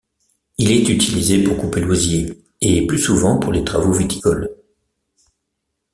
Il est utilisé pour couper l'osier, et plus souvent pour les travaux viticoles.